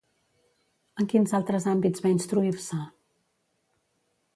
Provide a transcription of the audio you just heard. En quins altres àmbits va instruir-se?